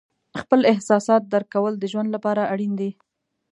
خپل احساسات درک کول د ژوند لپاره اړین دي.